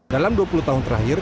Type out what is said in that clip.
dalam dua puluh tahun terakhir